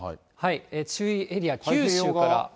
注意エリア、九州から。